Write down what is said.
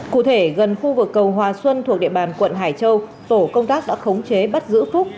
cụ thể gần khu vực cầu hòa xuân thuộc địa bàn quận hải châu tổ công tác đã khống chế bắt giữ phúc